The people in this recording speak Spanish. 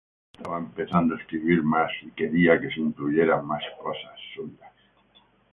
Estaba empezando a escribir más y quería que se incluyeran más cosas suyas"".